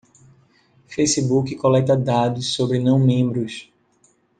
Facebook coleta dados sobre não membros.